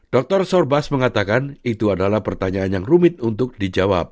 dr sorbas mengatakan itu adalah pertanyaan yang rumit untuk dijawab